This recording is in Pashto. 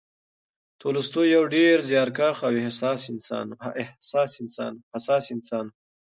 تولستوی یو ډېر زیارکښ او حساس انسان و.